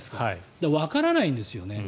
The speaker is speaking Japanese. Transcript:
だからわからないんですよね。